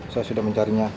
saya sudah mencarinya